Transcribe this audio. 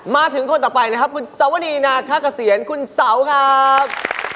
มาถึงคนต่อไปนะครับคุณสวนนีนาค้ากระเซียนคุณสาวครับ